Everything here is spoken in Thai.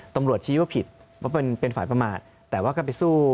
ตำรวจชี้ว่าผิดเพราะเป็นฝ่ายประมาทแต่ว่าก็ไปสู้